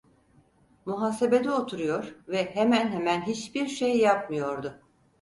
Muhasebede oturuyor ve hemen hemen hiçbir şey yapmıyordu.